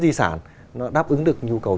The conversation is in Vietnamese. di sản nó đáp ứng được nhu cầu